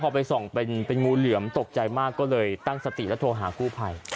พอไปส่องเป็นงูเหลือมตกใจมากก็เลยตั้งสติแล้วโทรหากู้ภัย